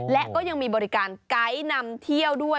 และก็ยังมีบริการไกด์นำเที่ยวด้วย